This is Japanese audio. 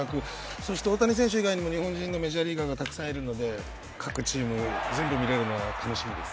そして、大谷選手以外にも日本人のメジャーリーガーがたくさんいるので各チーム全部見れるのは楽しみです。